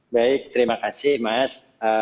baik terima kasih mas